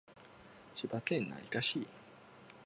千葉県成田市